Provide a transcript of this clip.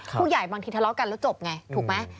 บางทีทะเลาะกันแล้วจบไงถูกไหม